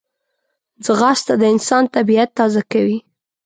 ځغاسته د انسان طبیعت تازه کوي